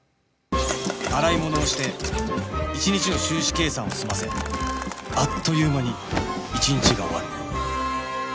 洗い物をして一日の収支計算を済ませあっという間に一日が終わる